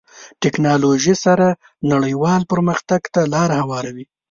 ټکنالوژي سره نړیوال پرمختګ ته لاره هواروي.